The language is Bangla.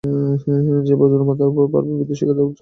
যে বজ্র মাথায় পড়বে তারই বিদ্যুৎশিখা ওর চোখে এসে পড়ল।